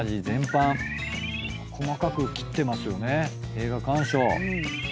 映画鑑賞。